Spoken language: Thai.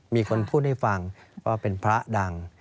มีคนพูดให้ฟังว่าเป็นพระดัง